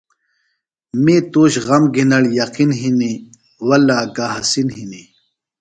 می تُوش غم گِھنڑ یقین ہِنیۡ وﷲگہ حسِین ہِنیۡ۔